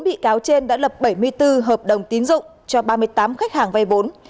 sáu bị cáo trên đã lập bảy mươi bốn hợp đồng tín dụng cho ba mươi tám khách hàng vay vốn